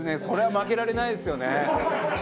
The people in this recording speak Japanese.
それは負けられないですよね。